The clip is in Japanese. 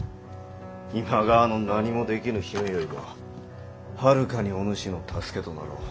今川の何もできぬ姫よりもはるかにお主の助けとなろう。